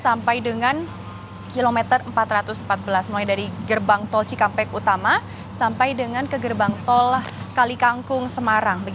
sampai dengan kilometer empat ratus empat belas mulai dari gerbang tol cikampek utama sampai dengan ke gerbang tol kali kangkung semarang